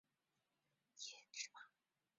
野芝麻马蓝为爵床科马蓝属下的一个种。